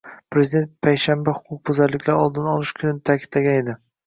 Prezident "Payshanba - huquqbuzarliklarning oldini olish kuni"ta'kidlagan edi